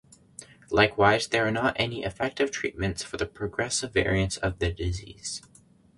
Likewise, there are not any effective treatments for the progressive variants of the disease.